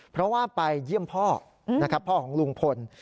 เพราะว่าไปเยี่ยมพ่อนะครับพ่อของลุงพล